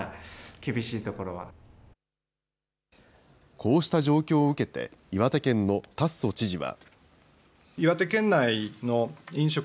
こうした状況を受けて、岩手県の達増知事は。